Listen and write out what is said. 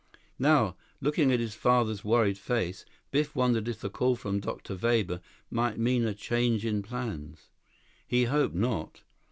Now, looking at his father's worried face, Biff wondered if the call from Dr. Weber might mean a change in plans. He hoped not.